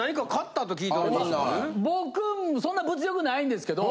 僕そんな物欲ないんですけど。